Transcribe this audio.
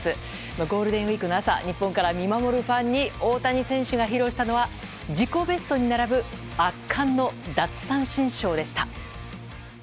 ゴールデンウィークの朝日本から見守るファンに大谷選手が披露したのは自己ベストに並ぶ圧巻の奪三振ショーでした。